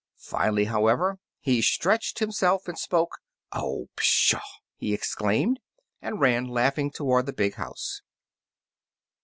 Finally, however, he stretched him self and spoke. "Oh, pshaw!*' he exclaimed, and ran laughing toward the big house.